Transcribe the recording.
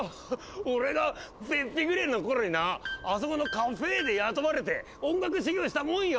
俺がピッピぐれえの頃になあそこのカフェーで雇われて音楽修業したもんよ。